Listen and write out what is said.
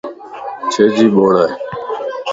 ڇي جي ٻوڙائي؟